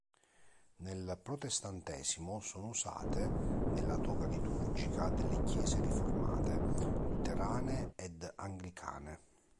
Nel Protestantesimo sono usate nella toga liturgica delle chiese riformate, luterane ed anglicane.